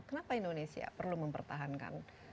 kenapa indonesia perlu mempertahankan